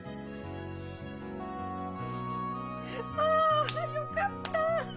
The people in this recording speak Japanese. ああよかった！